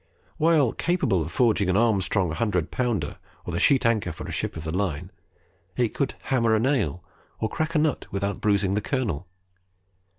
While capable of forging an Armstrong hundred pounder, or the sheet anchor for a ship of the line, it could hammer a nail, or crack a nut without bruising the kernel.